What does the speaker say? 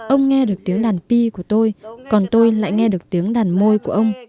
ông nghe được tiếng đàn pi của tôi còn tôi lại nghe được tiếng đàn môi của ông